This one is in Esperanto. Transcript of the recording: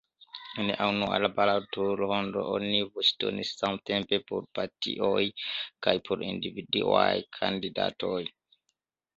En la unua baloto-rondo oni voĉdonis samtempe por partioj kaj por individuaj kandidatoj.